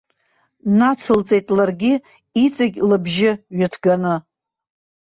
Нацылҵеит ларгьы иҵегь лыбжьы ҩыҭганы.